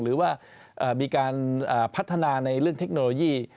หรือว่ามีการพัฒนาในเรื่องเทคโนโลยี